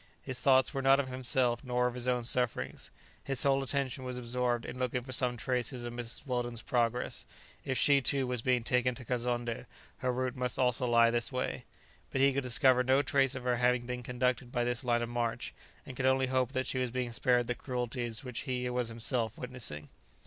His thoughts were not of himself nor of his own sufferings; his whole attention was absorbed in looking for some traces of Mrs. Weldon's progress; if she, too, was being taken to Kazonndé, her route must also lie this way. But he could discover no trace of her having been conducted by this line of march, and could only hope that she was being spared the cruelties which he was himself witnessing.